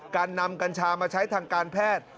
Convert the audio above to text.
การนำกัญชามาใช้ทางการแพทย์